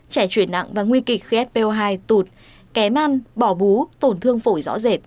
trẻ chuyển nặng và nguy kịch khi fp hai tụt kém ăn bỏ bú tổn thương phổi rõ rệt